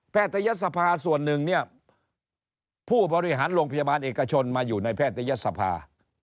ทยศภาส่วนหนึ่งเนี่ยผู้บริหารโรงพยาบาลเอกชนมาอยู่ในแพทยศภา